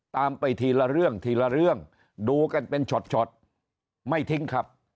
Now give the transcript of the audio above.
ตามไปทีละเรื่องทีละเรื่องดูกันเป็นช็อตไม่ทิ้งครับ